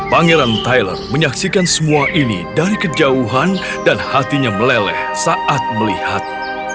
pangeran tyler menyaksikan semua ini dari kejauhan dan hatinya meleleh saat melihat